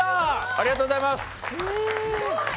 ありがとうございます！